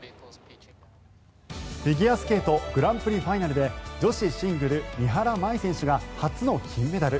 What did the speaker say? フィギュアスケートグランプリファイナルで女子シングル、三原舞依選手が初の金メダル。